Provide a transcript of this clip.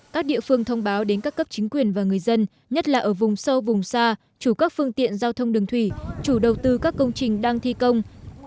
các địa phương thông báo đến các cấp chính quyền và người dân nhất là ở vùng sâu vùng xa chủ các phương tiện giao thông đường thủy chủ đầu tư các công trình đang thi công